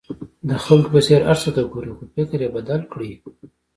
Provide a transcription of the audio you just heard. د خلکو په څېر هر څه ته ګورئ خو فکر یې بدل کړئ.